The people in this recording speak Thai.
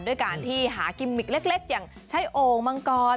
ด้วยการที่หากิมมิกเล็กอย่างใช้โอ่งมังกร